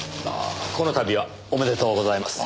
この度はおめでとうございます。